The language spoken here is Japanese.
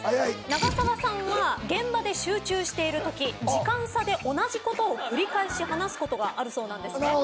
長澤さんは現場で集中しているとき時間差で同じことを繰り返し話すことがあるそうなんですね。